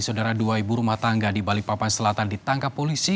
saudara dua ibu rumah tangga di balikpapan selatan ditangkap polisi